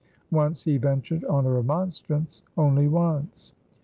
Once he ventured on a remonstrance only once.